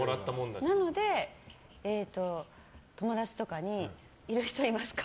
なので、友達とかにいる人いますか？